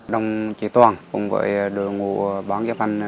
đồng chí toàn cùng với đội ngũ bán chấp hành